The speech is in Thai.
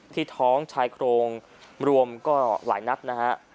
ที่ท้องชายโครงรวมก็หลายนัดนะฮะ